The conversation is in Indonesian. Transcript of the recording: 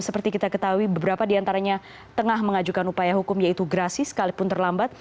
seperti kita ketahui beberapa diantaranya tengah mengajukan upaya hukum yaitu grasi sekalipun terlambat